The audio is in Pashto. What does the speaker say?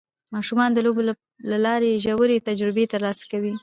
ماشومان د لوبو له لارې ژورې تجربې ترلاسه کوي